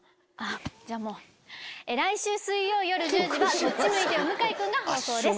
じゃあもう来週水曜夜１０時は『こっち向いてよ向井くん』が放送です。